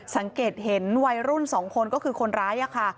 สังเกตเห็นวัยรุ่น๒คนก็คือคนร้ายค่ะ